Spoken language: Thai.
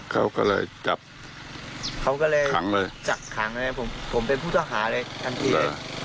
เขาก็เลยจับเขาก็เลยจัดขังเลยจัดขังเลยผมผมเป็นผู้ทหารเลยทั้งที